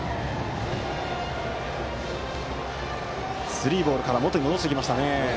スリーボールから元に戻してきましたね。